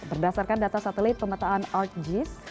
berdasarkan data satelit pemetaan arcgis